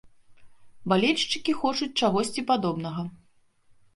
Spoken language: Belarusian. Балельшчыкі хочуць чагосьці падобнага.